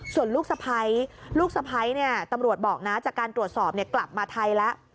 ส่วนลูกสะพ้ายลูกสะพ้ายตำรวจบอกนะจากการตรวจสอบกลับมาไทยแล้ว